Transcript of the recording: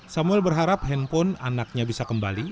samuel berharap handphone anaknya bisa kembali